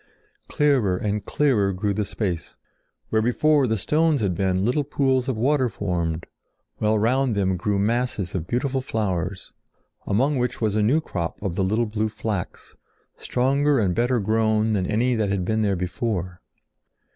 Clearer and clearer grew the space. Where before the stones had been, little pools of water formed, while round them grew masses of beautiful flowers, among which was a new crop of the little blue flax, stronger and better grown than any that had been there before.